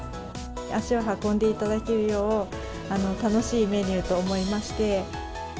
足を運んでいただけるよう、楽しいメニューと思いまして。